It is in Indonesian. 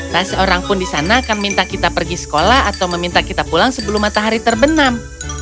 tak seorang pun di sana akan minta kita pergi sekolah atau meminta kita pulang sebelum matahari terbenam